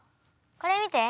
これ見て。